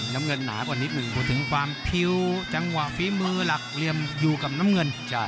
น้ำเงินหนากว่านิดหนึ่งพูดถึงความพิ้วจังหวะฝีมือหลักเหลี่ยมอยู่กับน้ำเงิน